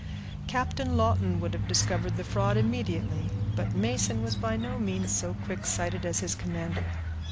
Captain Lawton would have discovered the fraud immediately, but Mason was by no means so quick sighted as his commander.